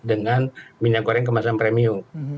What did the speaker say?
dengan minyak goreng kemasan premium